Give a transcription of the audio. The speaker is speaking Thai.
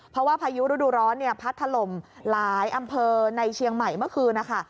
เพราะว่าพายุฤดูร้อนพัดถล่มหลายอำเภอในเชียงใหม่เมื่อคืนนะคะ